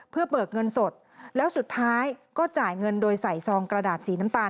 เพื่อเบิกเงินสดแล้วสุดท้ายก็จ่ายเงินโดยใส่ซองกระดาษสีน้ำตาล